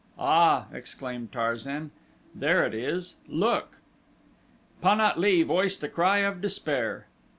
"Ah," exclaimed Tarzan; "there it is. Look!" Pan at lee voiced a cry of despair.